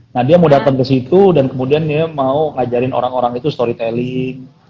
nah dia mau dateng kesitu dan kemudian dia mau ngajarin orang orang itu storytelling